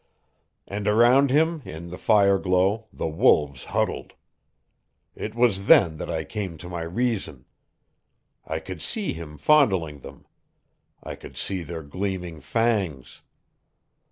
And around him, in the fire glow, the wolves huddled. It was then that I came to my reason. I could see him fondling them. I could see their gleaming fangs.